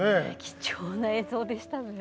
貴重な映像でしたね。